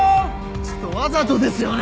ちょっとわざとですよね！？